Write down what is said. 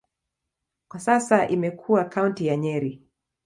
Kwa sasa imekuwa kaunti ya Nyeri.